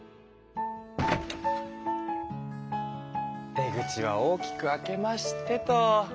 出口は大きく開けましてと。